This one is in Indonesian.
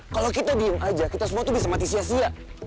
kalau kita diem aja kita semua tuh bisa mati sia sia